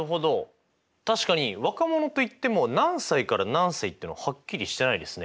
確かに若者といっても何歳から何歳っていうのははっきりしてないですね。